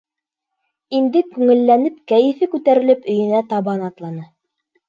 Инде күңелләнеп, кәйефе күтәрелеп өйөнә табан атланы.